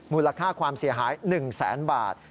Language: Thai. มูลค่าความเสียหาย๑แสนบาท